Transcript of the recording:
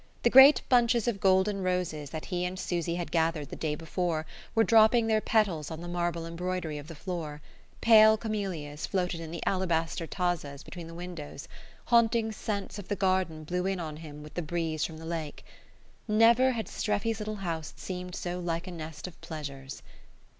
The great bunches of golden roses that he and Susy had gathered the day before were dropping their petals on the marble embroidery of the floor, pale camellias floated in the alabaster tazzas between the windows, haunting scents of the garden blew in on him with the breeze from the lake. Never had Streffy's little house seemed so like a nest of pleasures.